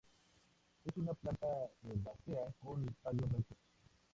Es una planta herbácea con tallos erectos.